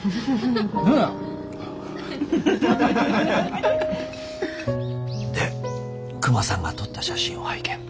ねえ？でクマさんが撮った写真を拝見。